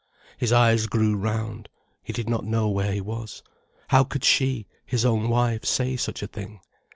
His eyes grew round, he did not know where he was. How could she, his own wife, say such a thing?